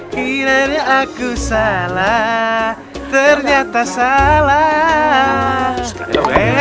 kiranya aku salah ternyata salah